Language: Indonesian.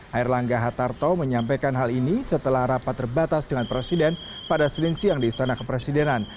air langga hatarto menyampaikan hal ini setelah rapat terbatas dengan presiden pada senin siang di istana kepresidenan